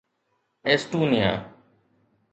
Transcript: Estonia